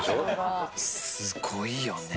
すごいよね！